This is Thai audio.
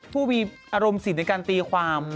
ผู้มีอารมณ์สิทธิ์ในการตีความ